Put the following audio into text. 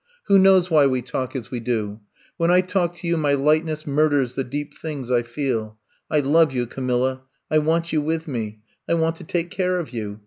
Who knows why we talk as we do ! When I talk to you my lightness murders the deep things I feel. I love you, Camilla. I want you with me. I want to take care of you.